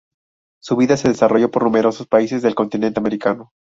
Su vida se desarrolló por numerosos países del continente americano.